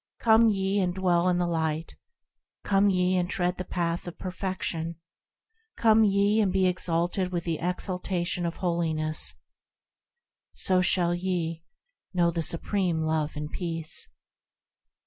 Come ye, and dwell in the Light; Come ye, and tread the Path of Perfection ; Come ye, and be exalted with the exaltation of Holiness, So shall ye. know the supreme Love and Peace.